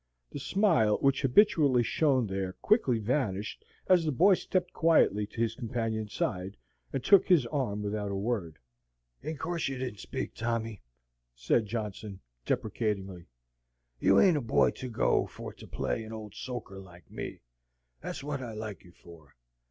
The smile which habitually shone there quickly vanished as the boy stepped quietly to his companion's side, and took his arm without a word. "In course you didn't speak, Tommy," said Johnson, deprecatingly. "You ain't a boy to go for to play an ole soaker like me. That's wot I like you for.